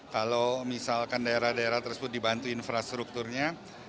kalau misalkan daerah daerah tersebut dibantu infrastrukturnya